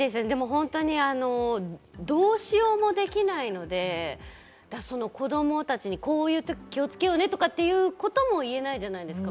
本当にどうしようもできないので、子供たちにこういう時、気をつけようねということも言えないじゃないですか。